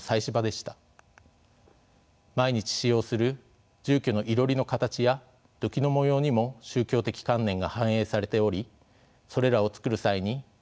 毎日使用する住居のいろりの形や土器の模様にも宗教的観念が反映されておりそれらを作る際に意味が受け継がれます。